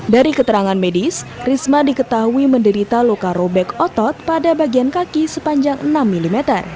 dari keterangan medis risma diketahui menderita luka robek otot pada bagian kaki sepanjang enam mm